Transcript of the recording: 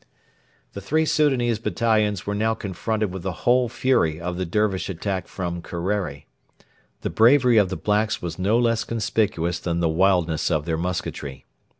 The three Soudanese battalions were now confronted with the whole fury of the Dervish attack from Kerreri. The bravery of the blacks was no less conspicuous than the wildness of their musketry.